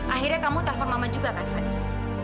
akhirnya kamu telepon mama juga kan fadil